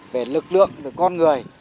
về lực lượng về con người